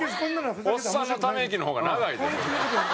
おっさんのため息の方が長いで。